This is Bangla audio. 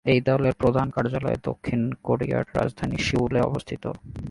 এই দলের প্রধান কার্যালয় দক্ষিণ কোরিয়ার রাজধানী সিউলে অবস্থিত।